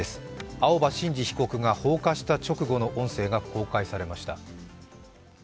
青葉真司被告が放火した直後の音声が公開されました。